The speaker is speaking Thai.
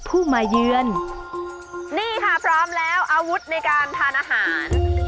ผู้มาเยือนนี่ค่ะพร้อมแล้วอาวุธในการทานอาหาร